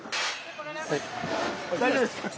大丈夫っすか？